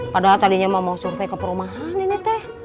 padahal tadinya mau survei ke perumahan ini teh